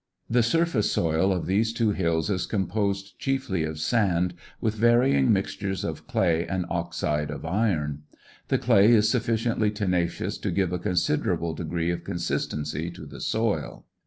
The surface soil of these two hills is composed chiefly of sand with varying mixtures of clay and oxide of iron. The clay is sufficiently tenacious to give a considerable degree of consistency to the soil.